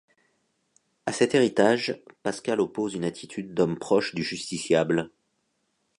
À cet héritage, Pascal oppose une attitude d’homme proche du justiciable.